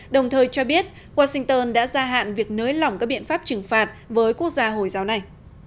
đồng thời cho biết washington đã gia hạn việc nới lỏng các biện pháp trừng phạt với quốc gia hồi giáo này